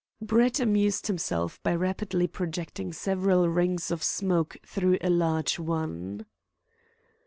Brett amused himself by rapidly projecting several rings of smoke through a large one.